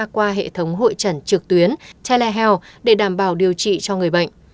qua hệ thống hội trần trực tuyến telehealth để đảm bảo điều trị cho người bệnh